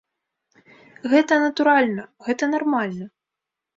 Гэта натуральна, гэта нармальна.